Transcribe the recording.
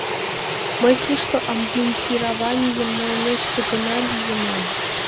— Мый тушто обмундированийым налмешке гына лийынам.